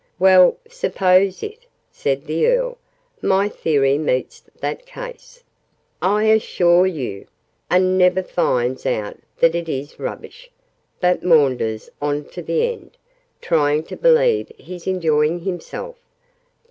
"Well, suppose it," said the Earl. "My theory meets that case, I assure you! A never finds out that it is rubbish, but maunders on to the end, trying to believe he's enjoying himself.